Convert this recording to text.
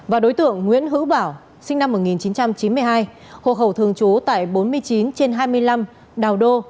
và đối tượng nguyễn hữu bảo sinh năm một nghìn chín trăm chín mươi hai hộ khẩu thường trú tại bốn mươi chín trên hai mươi năm đào đô